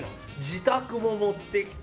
自宅も持ってきた。